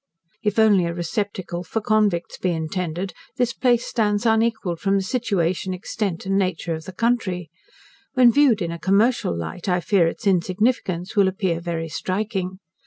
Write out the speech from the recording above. If only a receptacle for convicts be intended, this place stands unequalled from the situation, extent, and nature of the country. When viewed in a commercial light, I fear its insignificance will appear very striking.